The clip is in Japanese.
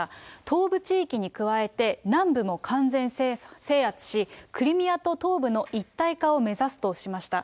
東部地域に加えて、南部も完全制圧し、クリミアと東部の一体化を目指すとしました。